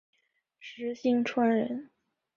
石星川人。